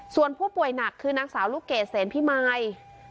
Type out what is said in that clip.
ส่วนผู้ป่วยหนักคือนักสาวลูกเกจเศรษฐ์พี่ไมส์